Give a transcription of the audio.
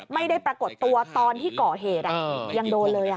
ไม่ได้ปรากฏตัวตอนที่ก่อเหตุยังโดนเลย